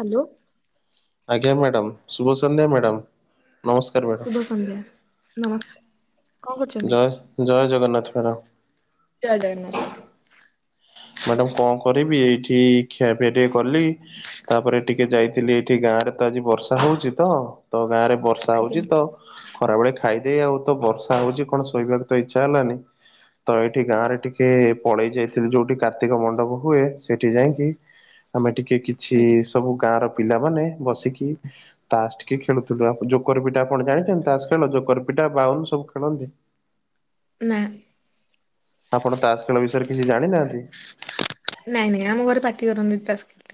Hello. ଆଜ୍ଞା madam, ଶୁଭ ସନ୍ଧ୍ୟା ମ୍ୟାଡ଼ାମ। ନମସ୍କାର ମ୍ୟା ଶୁଭ ସନ୍ଧ୍ୟା ନମସ୍କାର। କଣ କରୁଛନ୍ତି? ଜୟ ଜୟ ଜଗନ୍ନାଥ ମ୍ୟାଡମ୍। ଜୟ ଜଗନ୍ନାଥ। ମ୍ୟାଡାମ କଁ କରିବି ଏଇଠି କଖିଆ ପିଆ ଟିକେ କଲି। ତାପରେ ଟିକେ ଯାଇଥିଲି ଏଇଠି ଗାଁ ରେ ତ ଆଜି ବର୍ଷା ହଉଛି ତ ତ ଗାଁ ରେ ବର୍ଷା ଆଜ୍ଞା ହଉଛି ତ ଖରାବେଳେ ଖାଇଦେଇ ଆଉ ତ ବର୍ଷା ହଉଛି କଣ ଶୋଇବାକୁ ତ ଇଚ୍ଛା ହେଲାନି। ତ ଏଇଠି ଗାଁ ରେ ଟିକେ ପଳେଇ ଯାଇଥିଲି ଯୋଉଠି କାର୍ତ୍ତିକ ମଣ୍ଡପ ହୁଏ ସେଠି ଯାଇକି ଆମେ ଟିକେ କିଛି ଆଜ୍ଞା ସବୁ ଗାଁ ର ପିଲାମାନେ ବସିକି ତାସ ଟିକେ ଖେଳୁଥିଲୁ ଆଉ ଜୋକର ପିଟା ଆପଣ ଜାଣିଛନ୍ତି ତାସ ଖେଳ ଜୋକର ପିଟା ବାଉନ ସବୁ ଖେଳନ୍ତି? ନା। ଆପଣ ତାସ ଖେଳ ବିଷୟରେ କିଛି ଜାଣିନାହାନ୍ତି? ନାଇଁ ନାଇଁ ଆମ ଘରେ ପାଟି କରନ୍ତି ତାସ ଖେ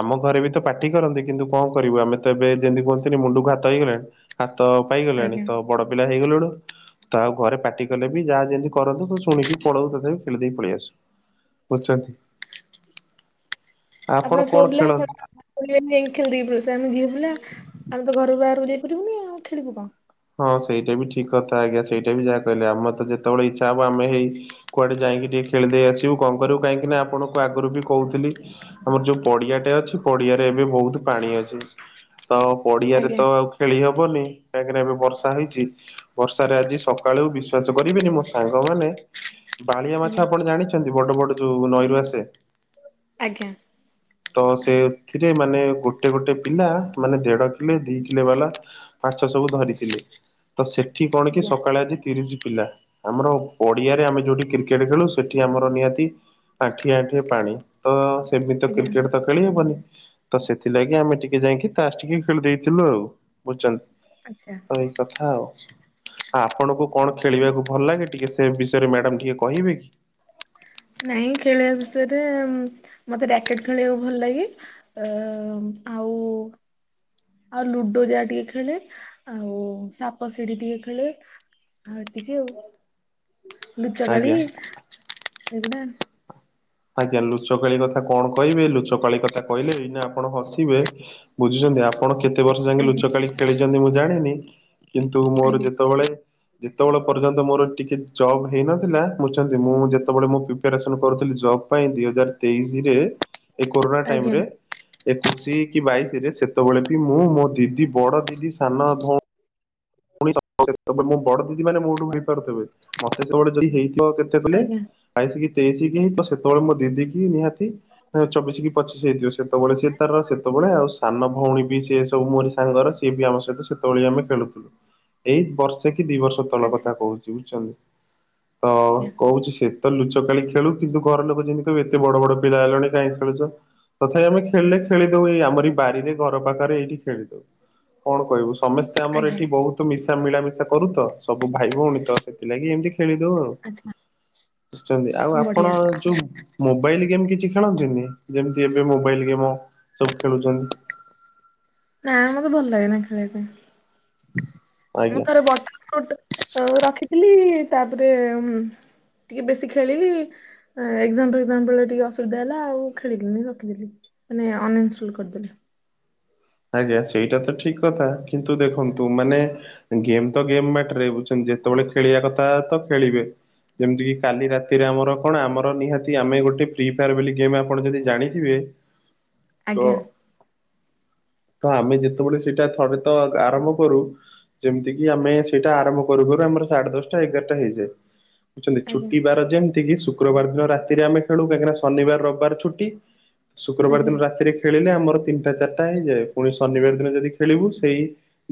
ଆମ ଘରେ ବି ତ ପାଟି କରନ୍ତି କିନ୍ତୁ କଣ କରିବୁ ଆମେ ତ ଏବେ ଯେମିତି କୁହନ୍ତିନି ମୁଣ୍ଡକୁ ହାତ ହେଇଗଲାଣି। ହାତ ପାଇଗଲାଣି ଆଜ୍ଞା। ତ ବଡ ପିଲା ହେଇଗଲୁଣୁ। ତା ଆଉ ଘରେ ପାଟି କଲେ ବି ଯାହା ଯେମିତି କରନ୍ତୁ ତ ଶୁଣିକି ପଳଉ ତଥାପି ଖେଳିଦେଇ ପଳେଇ ଆସୁ। ବୁଝୁଛନ୍ତି। ଆପଣ କଣ କୋବଲା [inaudible] [unintelligible] ଖେଳନ୍ତି? ଯାଇକି ଖେଳି ଦେଇ ପଳେଇ ଆସୁ ଆମେ ଝିଅ ପିଲା ଆମେ ତ ଘରୁ ବାହାରକୁ ଯାଇ ପାରିବୁନି ଆଉ ଖେଳିବୁ କଣ। ହଁ ସେଇଟା ବି ଠିକ କଥା ଆଜ୍ଞା ସେଇଟା ବି ଯାହା କହିଲେ ଆମର ତ ଯେତେବେଳେ ଇଚ୍ଛା ହବ ଆମେ ହେଇ। କୁଆଡେ ଯାଇକି ଟିକେ ଖେଳିଦେଇ ଆସିବୁ କଣ କରିବୁ କାହିଁକି ନା ଆପଣଙ୍କୁ ଆଗରୁ ବି କହୁଥିଲି। ଆମର ଯୋଉ ପଡିଆଟେ ଅଛି ପଡିଆରେ ଏବେ ବହୁତ ପାଣି ଅଛି। ତ ପଡିଆରେ ଆଜ୍ଞା ତ ଆଉ ଖେଳି ହବନି କାହିଁକିନା ଏବେ ବର୍ଷା ହେଇଛି ବର୍ଷାରେ ଆଜି ସକାଳୁ ବିଶ୍ଵାସ କରିବେନି ମୋ ସାଙ୍ଗ ମାନେ। ବାଳିଆ ଆଜ୍ଞା ମାଛ ଆପଣ ଜାଣିଛନ୍ତି ବଡ ବଡ ଯୋଉ ନଈରୁ ଆସେ? ଆଜ୍ଞା। ତ ସେଥିରେ ମାନେ ଗୋଟେ ଗୋଟେ ପିଲା ମାନେ ଦେଢ କିଲେ, ଦି କିଲେ ବାଲା। ମାଛ ସବୁ ଧରିଥିଲେ ତ ସେଠି କଣ କି ଆଜ୍ଞା ସକାଳେ ଆଜି। ତିରିଶ ପିଲା ଆମର ପଡିଆରେ ଆମେ ଯୋଉଠି କ୍ରିକେଟ ଖେଳୁ ସେଠି ଆମର ନିହାତି। ଆଣ୍ଠିଏ ଆଣ୍ଠିଏ ପାଣି ତ ସେମିତି ତ ଆଜ୍ଞା କ୍ରିକେଟ ତ ଖେଳି ହବନି। ତ ସେଥିଲାଗି ଆମେ ଟିକେ ଯାଇକି ତାସ ଟିକେ ଖେଳିଦେଇଥିଲୁ ଆଉ ବୁଝୁଛ ଆଚ୍ଛା। ଏଇ କଥା ଆଉ ଆ ଆପଣଙ୍କୁ। କଣ ଖେଳିବାକୁ ଭଲ ଲାଗେ ଟିକେ ସେ ବିଷୟରେ ମ୍ୟାଡ଼ାମ ଟିକେ କହିବେ କି? ନାଇଁ ଖେଳିବା ବିଷୟରେ ଉଁ ମତେ ରାକେଟ ଖେଳିବାକୁ ଭଲ ଲାଗେ। ଏମ ଆଉ। ଆଉ ଲୁଡୋ ଯାହା ଟିକେ ଖେଳେ ଆଉ ସାପ ସିଢି ଟିକେ ଖେଳେ। ଆଉ ଏତିକି ଆଉ ଲୁଚକାଳି ଆଜ୍ଞା ଏଗୁଡା। ଆଜ୍ଞା ଲୁଚକାଳି କଥା କଣ କହିବେ ଲୁଚକାଳି କଥା କହିଲେ ଏଇନା ଆପଣ ହସିବେ। ବୁଝୁଛନ୍ତି ଆ ଆପଣ କେତେ ବର୍ଷ ଯାକେ ଆଜ୍ଞା ଲୁଚକାଳି ଖେଳିଛନ୍ତି ମୁଁ ଜାଣିନି କିନ୍ତୁ ମୋର ଆଜ୍ଞା ଯେତେବେଳେ। ଯେତବେଳେ ପର୍ଯ୍ୟନ୍ତ ମୋର ଟିକେ ଜବ୍ ହେଇନଥିଲା ବୁଝୁଛନ୍ତି ମୁଁ ଯେତବେଳେ ମୁଁ ପିପାରେସନ କରୁଥିଲି ଜବ୍। ପାଇଁ ଦି ହଜାର ତେଇଶିରେ ଏ କୋରୋନା ଆଜ୍ଞା ଟାଇମରେ ଏକୋଇଶି କି ବାଇଶ ରେ। ସେତେବେଳେ ବି ମୁଁ, ମୋ ଦିଦି, ବଡ ଦିଦି, ସାନ ଭ [unintelligible] ମୋ ବଡ ଦିଦି ମାନେ ମୋଠୁ ହେଇପାରୁଥିବେ ମତେ [unintelligible] ଯଦି ହେଇଥିବ କେତେ କହିଲେ। ଆଜ୍ଞା ବାଇଶ କି ତେଇଶି ହେଇଥିବ ସେତେବେଳେ ମୋ ଦିଦି କି ନିହାତି। ଅ ଚବିଶି କି ପଚିସି ହେଇଥିବ ସେତେବେଳେ ସିଏ ତାର ସେତେବେଳେ ଆଉ ସାନ ଭଉଣୀ ବି ସିଏ ସବୁ ମୋରି ସାଙ୍ଗର। ସିଏ ବି ଆମ ସହିତ ସେତେବେଳେ ହିଁ ଆମେ ଖେଳୁଥିଲୁ। ଏଇ ବର୍ଷେ କି ଦି ବର୍ଷ ତଳ ଆଚ୍ଛା କଥା କହୁଛି ବୁଝିଛନ୍ତି ତ ଆଜ୍ଞା କହୁଛି ସେ ତ ଲୁଚକାଳି ଖେଳୁ କିନ୍ତୁ ଘର ଲୋକ ଯେମିତି କହିବେ ଏତେ ବଡ ବଡ ପିଲା ହେଲଣି କାହିଁ ଖେଳୁଛ ତଥାପି ଆମେ ଖେଳିଲେ ଖେଳି ଦଉ ଏଇ ଆମରି ବାରିରେ ଘର ପାଖରେ ଏଇଠି ଖେଳିଦଉ। କଣ କହିବୁ ସମସ୍ତେ ଆମର ଆଜ୍ଞା ଏଠି ବହୁ ତ ମିଶା ମିଳାମିଶା କରୁ ତ ସବୁ ଭାଇ, ଭଉଣୀ ତ ସେଥିଲାଗି ଏମିତି ଖେଳିଦଉ ଆଉ। ଆଚ୍ଛା ବୁଝୁଛନ୍ତି ଆଉ ବଢିଆ ଆପଣ ଯୋଉ। ମୋବାଇଲ ଗେମ୍ କିଛି ଖେଳନ୍ତିନି ଯେମିତି ଏବେ ମୋବାଇଲ ଗେମ୍ ସବୁ ଖେଳୁଛନ୍ତି। ନା ମତେ ଭଲ ଲାଗେ ନା ଖେଳିବା ପାଇଁ ଆମ ଆଜ୍ଞା ଥର ବଟ [unintelligible] ଆଉ ରଖିଥିଲି ତାପରେ ଟିକେ ବେଶୀ ଖେଳିଲି ଏକ୍ଜାମ୍ ଫେକଜାମ୍ ବେଳେ ଟିକେ ଅସୁବିଧା ହେଲା ଆଉ ଖେଳିଲିଣି ରଖିଦେଲି। ମାନେ ଅନଇନଷ୍ଟଲ୍ କରିଦେଲେ। ଆଜ୍ଞା ସେଇଟା ତ ଠିକ୍ କଥା କିନ୍ତୁ ଦେଖନ୍ତୁ ମାନେ ଗେମ୍ ତ ଗେମ୍ ବାଟରେ ବୁଝଛନ୍ତି ଯେତେବେଳେ ଖେଳିବା କଥା ତ ଖେଳିବେ। ଯେମିତିକି କାଲି ରାତିରେ ଆମର କଣ ଆମର ନିହାତି ଆମେ ଗୋଟେ ପ୍ରି ଫାୟାର ବୋଲି ଗେମ୍ ଆପଣ ଯଦି ଜାଣିଥିବେ ଆଜ୍ଞା। ତ ତ ଆମେ ଯେତବେଳେ ସେଇଟା ଥରେ ତ ଆରମ୍ଭ କରୁ ଯେମିତିକି ଆମେ ସେଇଟା ଆରମ୍ଭ କରୁ-କରୁ ଆମର ସାଢେ ଦଶଟା ଏଗାରଟା ହେଇଯାଏ। ବୁଝୁଛନ୍ତି ଆଜ୍ଞା ଛୁଟି ବାର ଯେମିତିକି ଶୁକ୍ରବାର ଦିନ ରାତିରେ ଆମେ ଖେଳୁ କାହିଁକିନା ଶନିବାର ରବିବାର ଛୁଟି ଶୁକ୍ରବାର ଆଜ୍ଞା ଦିନ ରାତିରେ ଖେଳିଲେ ଆମର ତିନିଟା ଚାରିଟା ହେଇଯାଏ ପୁଣି ଶନିବାର ଦିନ ଯଦି ଖେଳିବୁ ସେଇ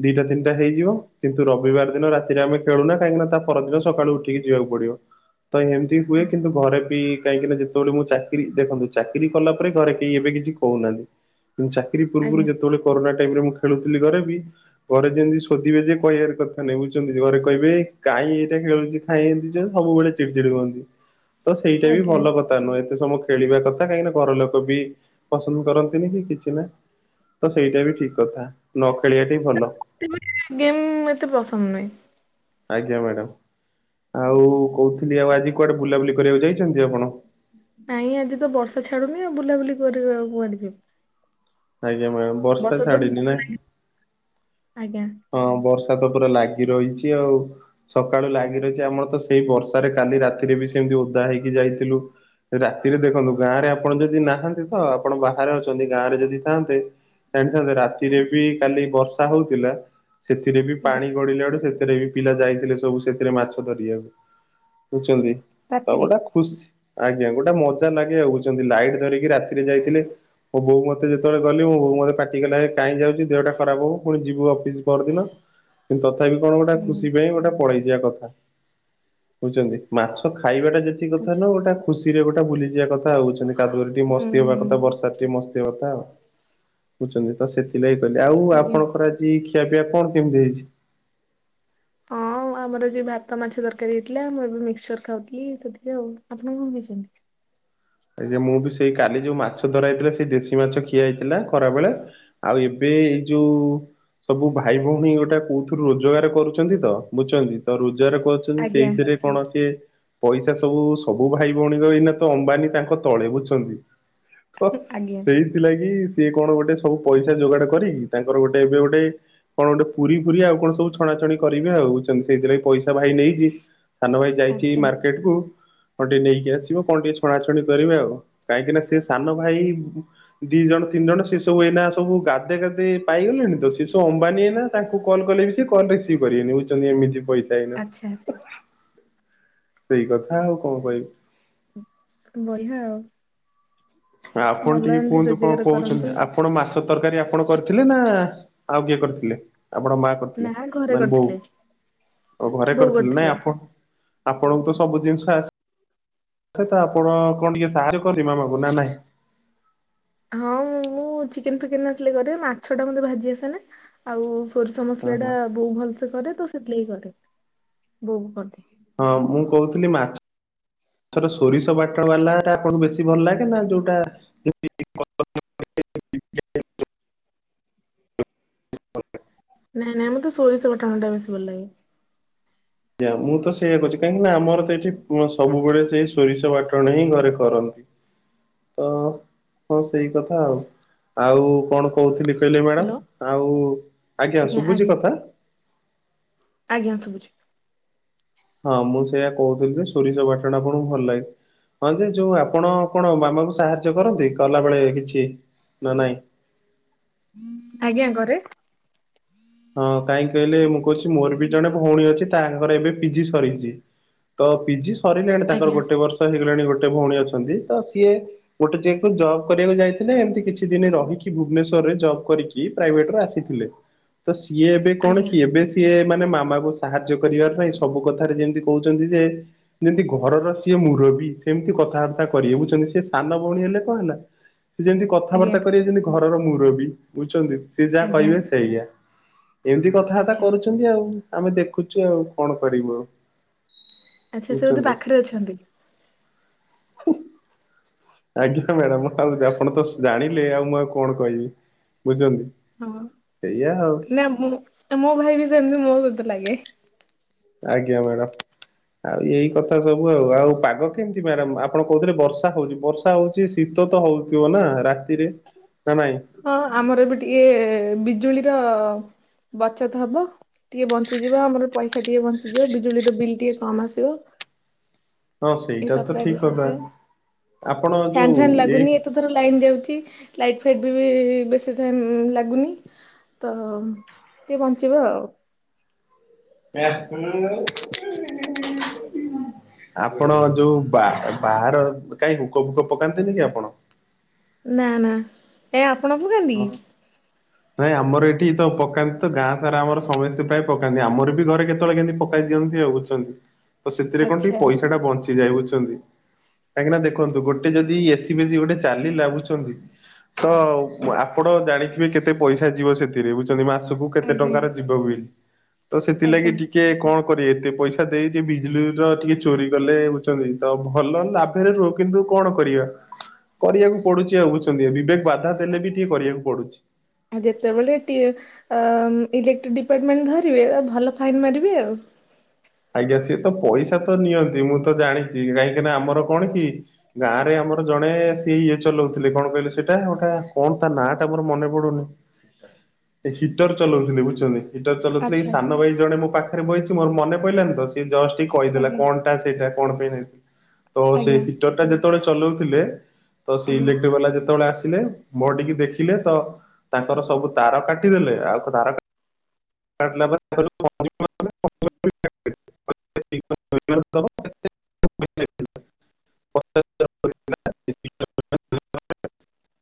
ଦିଟା ତିନିଟା ହେଇଯିବ କିନ୍ତୁ ରବିବାର ଦିନ ରାତିରେ ଆମେ ଖେଳୁନା କାହିଁକି ନା ତା ପରଦିନ ସକାଳୁ ଉଠିକି ଯିବାକୁ ପଡିବ। ତ ଏମତି ହୁଏ ଆଚ୍ଛା କିନ୍ତୁ ଘରେ ବି କାହିଁକି ନା [inaudible] ମୁଁ ଚାକିରି ଦେଖନ୍ତୁ ଚାକିରି କଲା ପରେ ଘରେ କେହି ଏବେ କିଛି କହୁନାହାନ୍ତି ଚାକିରି ପୂର୍ବରୁ ଆଜ୍ଞା ଯେତେବେଳେ କରୋନା ଟାଇମ୍ ରେ ମୁଁ ଖେଳୁଥିଲି ଘରେ ବି ଘରେ ଯେମିତି ସୋଧିବେ ଯେ କହିବାର କଥା ନାଇଁ ବୁଝୁଛନ୍ତି ଘରେ କହିବେ କାହିଁ ଏଇଟା ଖେଳୁଚି ଏମିତି ଯୋଗୁ ସବୁବେଳେ ଚିଡି-ଚିଡି ହଅନ୍ତି। ହ ତ ସେଇଟା ବି ଭଲ କଥା ନୁହେଁ ଏତେ ସମବୁ ଖେଳିବା କଥା କାହିଁକିନା ଘର ଲୋକ ବି ପସନ୍ଦ କରନ୍ତିନି କି କିଛି ନାହିଁ ତ ସେଇଟା ବି ଠିକ୍ କଥା ନ ଖେଳିବା ଟା ହିଁ ଭଲ। ମତେ ଗେମ୍ ଏତେ ପସନ୍ଦ ନୁହେଁ। ଆଜ୍ଞା ମ୍ୟାଡ଼ମ୍ ଆଉ କହୁଥିଲି ଆଉ ଆଜି କୁଆଡେ ବୁଲାବୁଲି କରିବାକୁ ଯାଇଛନ୍ତି ଆପଣ। ନାଇଁ ଆଜି ତ ବର୍ଷା ଛାଡୁନି ଆଉ ବୁଲାବୁଲି କରିବା କି କୁଆଡେଯିବୁ। ଆଜ୍ଞା ମ୍ୟାମ୍ ବର୍ଷା ତ ଛାଡିିନି ନାହିଁ। ଆଜ୍ଞା। ହଁ ବର୍ଷା ତ ପୁରା ଲାଗି ରହିଚି ଆଉ। ସକାଳୁ ଲାଗି ରହିଛି ଆମର ତ ସେଇ ବର୍ଷାରେ କାଲି ରାତିରେ ବି ସେମତି ଓଦା ହେଇକି ଯାଇଥିଲୁ ରାତିରେ ଦେଖନ୍ତୁ ଗାଁ ରେ ଆପଣ ଯଦି ନାହାନ୍ତି ତ ଆପଣ ବାହାରେ ଅଛନ୍ତି ଗାଁ ରେ ଯଦି ଥାଆନ୍ତେ ଜାଣିଛନ୍ତି ରାତିରେ ବି କାଲି ବର୍ଷା ହଉଥିଲା ସେଥିରେ ବି ଆଜ୍ଞା ପାଣି ଗଡିଲା ବେଡୁ ସେଥିରେ ବି ପିଲା ଯାଇଥିଲେ ସବୁ ସେଥିରେ ମାଛ ଧରିବାକୁ ବୁଝଛନ୍ତି ତ ରାତିରେ ଗୋଟା ଖୁସି ଆଜ୍ଞା ଗୋଟେ ମଜା ଲାଗେ ହଉଛନ୍ତି ଲାଇଟ୍ ଧରିକି ରାତିରେ ଯାଇଥିଲେ। ମୋ ବୋଉ ମତେ ଯେତେବେଳେ ଗଲି ମୋ ବୋଉ ମତେ ପାଟିକଲା କାହିଁ ଯାଉଛି ଦେହଟା ଖରାପ ହବ ପୁଣି ଯିବୁ ଅଫି ପରଦିନ କିନ୍ତୁ ତଥାପି କଣ ଗୋଟେ ଆଜ୍ଞା ଖୁସି ପାଇଁ ଗୋଟେ ପଳେଇ କଥା ବୁଝୁଛନ୍ତି ମାଛ ଖାଇବାଟା ଯେତିକି କଥା ଆଚ୍ଛା ନ ଗୋଟା ଖୁସି ରେ ଗୋଟେ ବୁଲିଯିବା କଥା ହଉଛନ୍ତି କାଦୁରେ ଟିକେ ହୁଁ ମସ୍ତି ହବା ହୁଁ କଥା ବର୍ଷା ଟିକେ ମସ୍ତି ହବା କଥା ଆଉ। ବୁଝୁଛନ୍ତି ତ ସେଥିଲାଗି କହିଲି ଆଉ ଆଜ୍ଞା। ଆପଣଙ୍କର ଖିଆପିଆ କଣ କେମିତି ହେଇଚି? ହଁ ଆମର ଆଜି ଭାତ ମାଛ ତରକାରୀ ହେଇଥିଲା, ମୁଁ ଏବେ ମିକ୍ସଚର ଖାଉଥିଲି ସେଥିକି ଆଉ। ଆପଣ କଣ ଖାଇଛନ୍ତି? ଆଜ୍ଞା ମୁଁ ବି ସେଇ କାଲି ଯୋଉ ମାଛ ଧରା ହେଇଥିଲା ସେଇ ଦେଶୀ ମାଛ ଖିଆ ହେଇଥିଲା ଖରାବେଳେ ଆଉ ଏବେ ଏଇ ଯୋଉ ସବୁ ଭାଇ ଭଉଣୀ ଗୋଟେ କୋଉଥିରୁ ରୋଜଗାର କରୁଛନ୍ତି ତ ବୁଝୁଛନ୍ତି ତ ରୋଜଗାର କରୁ ଛନ୍ତି ଆଜ୍ଞା ସେଇଥିରେ କଣ ସେ ପଇସା ସବୁ ସବୁ ଭାଇ ଭଉଣୀର ଏଇନା ତ ଅମ୍ବାନୀ ତାଙ୍କ ତଳେ ବୁଝଛନ୍ତି ତ ଆଜ୍ଞା ସେଇ ଥିଲା କି ସିଏ କଣ ଗୋଟେ ସବୁ ପଇସା ଯୋଗାଡ କରିକି ତାଙ୍କର ଗୋଟେ ଏବେ ଗୋଟେ କଣ ଗୋଟେ ପୁରୀ ଫୁରୀ ଆଉ କଣ ସବୁ ଛଣାଛଣି କରିବେ ଆଉଚନ୍ତି ସେଇଥିପାଇଁ ପଇସା ଭାଇ ନେଇଚି ସାନ ଭାଇ ଯାଇଚି ଆଚ୍ଛା ମାର୍କେଟକୁ କଣ ଟିକେ ନେଇକି ଆସିବ କଣ ଟିକେ ଛଣାଛଣି କରିବେ ଆଉ। କାହିଁକି ନା ସେ ସାନ ଭାଇ ଦି ଜଣ ତିନି ଜଣ ସେ ସବୁ ଏଇନା ସବୁ ଗାଧେ ଗାଧେ ପାଇଗଲେଣି ତ ସେସବୁ ଅମ୍ବାନୀ ଏଇନା। ତାଙ୍କୁ କଲ୍ କଲେ ବି ସେ କଲ ରିସିଭ୍ କରିବେନି ବୁଚଚନ୍ତି ଏମିତି ପଇସା ଏଇନା ଆଚ୍ଛା ଆଚ୍ଛା। ସେଇ କଥା ଆଉ କଣ କହିବି। ବଢିିଆ ଆଉ। ଆପଣ ଭଲ ଟିକେ ଏମିତି କୁହନ୍ତୁ କଣ ରୋଜଗାର କହୁଚନ୍ତି? କରନ୍ତୁ ଆପଣ ମାଛ ତରକାରୀ ଆପଣ କରିଥିଲେ ନା ଆଉ କିଏ କରିଥିଲେ ଆପଣ ମା କର ଥିଲା ନା ଘରେ ମାନେ ବୋଉ କରିଥିଲେ ଆଉ ଘରେ କରିଥିଲେ ନାଇଁ ଆପଣ ଆପଣଙ୍କୁ ତ ସବୁ ଜିନିଷ ଆସ ଆ ତ ଆପଣ କଣ ଟିକେ ସାହାଯ୍ୟ କରିବେ ମାମାଙ୍କୁୁ ନା ନାଇଁ? [unintelligible] ହଁ ମୁଁ ଚିକେନ ଫିକେନ କର ଥିଲି ଘରେ। ମାଛ ଟା ମତେ ଭାଜି ଆସେନି। ଆଉ ସୋରିଷ ହଁ ମସଲା ଟା ହଁ ବୋଉ ଭଲସେ କରେ ତ ସେଥିଲାଗି କରେ ବୋଉ କରେ। ହଁ ମୁଁ କହୁଥିଲି ମାଛ ଥ ମର ସୋରିଷ ବାଟ ବାଲା ଟା ଆପଣ ବେଶୀ ଭଲ ଲାଗେ ନା ଯୋଉଟା [unintelligible] ନାଇଁ ନାଇଁ ମତେ ସୋରିଷ ବାଟଣା ଟା ବେଶୀ ଭଲ ଲାଗେ। ଆଜ୍ଞା ମୁଁ ତ ସେଇୟଆ କରୁଚି କାହିଁକି ନା ଆମର ତ ଏଇଠି ସବୁବେଳେ ସେଇ ସୋରିଷ ବାଟଣ ହିଁ ଘରେ କରନ୍ତ ଇ ତ ହଁ ସେଇ କଥା ଆଉ ଆଉ କଣ କହୁଥିଲି କହିଲେ ହ୍ୟାଲୋ ମ୍ୟାଡ଼ାମ ଆଉ ଆଜ୍ଞା ଶୁଭୁଚି କଥା? ଆଜ୍ଞା ଶୁଭୁଚି। ହଁ ମୁଁ ସେଇୟା କହୁଥିଲି ଯେ ସୋରିଷ ବାଟଣା କଣ ଭଲ ଲାଗେ। ହଁ ଯେ ଯୋଉ ଆପଣ କଣ ମାମା ଙ୍କୁ ସାହାଯ୍ୟ କରନ୍ତି କଲା ବେଳେ କିଛି ନା ନାଇଁ? ଆଜ୍ଞା କରେ। ହଁ କାହିଁକି କହିଲେ ମୁଁ କହୁଚି ମୋର ବି ଜଣେ ଭଉଣୀ ଅଛି ତା ର ଏବେ ପିଜି ସରିଚି ତ ପିଜି ସରିଲାଣି ତାଙ୍କର ଆଜ୍ଞା ଗୋଟେ ବର୍ଷ ଅ ହେଇଗଲେଣି ଗୋଟେ ଭଉଣୀ ଅଛନ୍ତି ତ ସିଏ ଗୋଟେ ଜାଗା ଜବ୍ କରିବାକୁ ଯାଇଥିଲେ ଏମିତି କିଛି ଦିନ ରହିକି ଭୁବନେଶ୍ଵରରେ ଜବ୍ କରିକି ପ୍ରାଇଭେଟରେ ଆସିଥିଲେ। ତ ସିଏ ଏବେ କଣ ଆଜ୍ଞା କି ଏବେ ସିଏ ମାନେ ମାମାଙ୍କୁ ସାହାଯ୍ୟ କରିବା ପାଇଁ ସବୁ କଥାରେ ଯେମିତି କହୁଚନ୍ତି ଯେ ଯେମିତି ଘରର ସିଏ ମୁରବୀ ସେମିତି କଥାବାର୍ତ୍ତା କରିବେ ବୁଝଚନ୍ତି ସେି ସାନ ଭଉଣୀ ହେଲେ କଣ ହେଲା। ସେ ଯେମିତି ଆଜ୍ଞା କଥାବାର୍ତ୍ତା କରିବେ ଯେମିତି ଘରର ମୁରବ ବୁଝୁଚନ୍ତି ସିଏ ଯାହା ଆଜ୍ଞା କହିବେ ସେୟା। ଏମିତି କଥାବାର୍ତ୍ତା ଆଚ୍ଛା କରୁଚନ୍ତି ଆଉ ଆମେ ଦେଖୁଚୁ ଆଉ କଣ କରିବୁ ଆଉ। ଆଚ୍ଛା ସେ ବୋଧେ ବୁଝୁଛନ୍ତି। ପାଖରେ ଅଛନ୍ତି କି? ଆଜ୍ଞା ମ୍ୟାଡାମ ଆଉ ଆପଣ ତ ଜାଣିଲେ ଆଉ ମୁଁ ଆଉ କଣ କହିବି ବୁଝଚନ୍ତି। ହଁ ନା ମୁଁ ମୋ ଭାଇ ବି ସେମିତି ମୋ ସହିତ ଲାଗେ। ଆଜ୍ଞା ମ୍ୟାଡ଼ାମ୍। ଆଉ ଏଇ କଥା ସବୁ ଆଉ। ଆଉ ପାଗ କେମିତି ମ୍ୟାଡାାମ ଆପଣ କହୁଥିଲେ ବର୍ଷା ହଉଚି ବର୍ଷା ହଉଚି ଶୀତ ତ ହଉଥିବ ନା ରାତିରେ ନା ନାଇଁ? ହଁ ଆମର ଏବେ ଟିକେ ବିଜୁଳିର ବଚତ ହବ। ଟିକେ ବଞ୍ଚିଯିବ ଆମର ପଇସା ଟିକେ ବଞ୍ଚିଯିବ ବିଜୁଳିର ବିଲ୍ ଟିକେ କମ ଆସିବ। ହଁ ଏ ସେଇଟା ତ ସପତାହେ ଦି ଠିକ କଥା ସପତାହେ ଆପଣ ଫନ ଯୋଉ ଫେନ୍ ଏଇ ଲାଗୁନି ଏ ତ ଧର ଲାଇନ୍ ଯାଉଚି ଲାଇଟ୍ ଫାଇଟ୍। ବେବି ବେଶୀ ଟାଇମ୍ ଲାଗୁନି ତ ଟିକେ ବଞ୍ଚିବ ଆଉ। [unintelligible] ଆପଣ ଯୋଉ ବାହା ବାହାର କାଇଁ ହୁକ ଫୁକ ପକାନ୍ତିନି କି ଆପଣ? ନା ନା ଏ ଆପଣ ପକାନ୍ତି କିି? ନାଇଁ ଆମର ଏଠି ତ ପକାନ୍ତି ତ ଗାଁ ସାରା ଆମର ସମେସ୍ତେ ପ୍ରାୟ ପକାନ୍ତି ଆମର ବି ଘରେ କେତବଳେ କେମତି ପକାଇ ଦିଅନ୍ତି ଆଉ ବୁଝ୍ଚ ତ ସେଥିରେ କଣ ଆଚ୍ଛା। ଟିକେ ପଇସା ଟା ବଞ୍ଚିଯାଏ ବୁଝ୍ଚନ୍ତି। କାହିଁକିନା ଦେଖନ୍ତୁ ଗୋଟେ ଯଦି ଏସି ଫେସିି ଗୋଟେ ଚାଲିଲା ବୁଝଚନ୍ତି ତ ମୁଁ ଆପଣ ଜାଣିଥିବେ କେତେ ପଇସା ଯିବ ସେଥିରେ ବୁଝଛନ୍ତି ମାସକୁ। କେତେ ଆଜ୍ଞା ଟଙ୍କାର ଯିବ ବୋଲି ତ ଆଜ୍ଞା ସେଥିଲାଗି ଟିକେ କଁ କରି ଏତେ ପଇସା ଦେଇ ଦେବି ବିଜୁଳିର ଟିକେ ଚୋରି କଲେ ବୁଝଚନ୍ତି ତ ଭଲ ଲା [unintelligible] ରୁହ କିନ୍ତୁ କଣ କରିବା କରିବାକୁ ପଡୁଚି ଆଉ ବୁଝଚନ୍ତି ବିବେକ୍ ବାଧା ଦେଲେ ବି। କିଏ କରିବାକୁ ପଡୁଛି। ଆ ଯେତେବେଳେ ଟିଏ ଇଲେକ୍ଟ୍ରି ଡିପାର୍ଟମେଣ୍ଟ ଧରିବେ ତାକୁ ଭଲ ଫାଇନ୍ ମାରିବେ ଆଉ। ଆଜ୍ଞା ସିଏ ତ ପଇସା ତ ନିଅନ୍ତି ମୁଁ ତ ଜାଣିଚି କାହିଁକିନା ଆମର କଣ କି। ଗାଁ ରେ ଆମର ଜଣେ ସେ ଇଏ ଚଲଉଥିଲେ କଣ କହିଲ ସେଟା ଗୋଟା କଣ ତା ନାଁ ଟା ମୋର ମନେ ପଡୁନି। ଁ ଏ ହିଟର୍ ଚଲଉଥିଲେ ବୁଝୁଚନ୍ତି। ହିଟର୍ ଚଲଉଥିଲେ ଏଇ ଆଚ୍ଛା ସାନ ଭାଇ ଜଣ ମୋ ପାଖରେ ବଇଚି ମୋର ମନେ ପଇଲାନି ତ ସିଏ ଜଷ୍ଟ ଟିକ୍ କହିଦେଲା ଆଜ୍ଞା କଣ। ଟା ସେଇଟା କଣ ପାଇଁ ନେଇଥିଲି ତ ସେଇ ଆଜ୍ଞା ହିଟର୍ ଟା ଯେତବଳେ ଚଲଉଥିଲେ। ତ ସେ ଆଜ୍ଞା। ଇଲେକ୍ଟ୍ରି ବାଲା ଯେତବଳେ ଆସିଲେ। ମୋଡି କି ଦେଖିଲେ ତ ତାଙ୍କର ସବୁ ତାର କାଟିଦେଲେ ଆଉ ତାର। କାଟିଲା ପରେ [inaudible] [inaudible] [inaudible]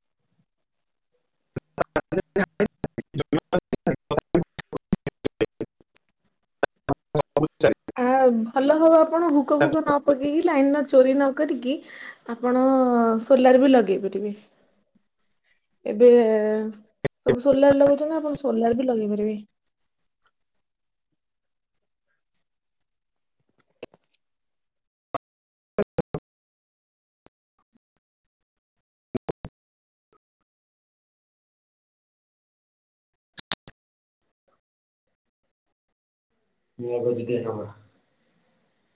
[inaudible] [inaudible] ଆ ଭଲ ହବ ଆପଣ ହୁକ ଫୁକ ନ ପକେଇକି ଲାଇନ୍ ର ଚୋରି ନକରିକି। ଆପଣ ସୋଲାରେ ବି ଲଗେଇ ପାରିବେ। ଏବେ ସବୁ ସୋଲାର୍ ଲଗଉଚନ୍ତି ଆପଣ ସୋଲାର୍ ବି ଲଗେଇ ପାରିବେ। ମୁଁ ଆଗ ଯଦି ହବା।